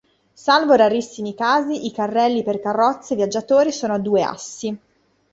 Salvo rarissimi casi i carrelli per carrozze viaggiatori sono a due assi.